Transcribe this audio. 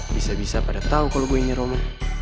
bisa bisa pada tau kalau gue ini roma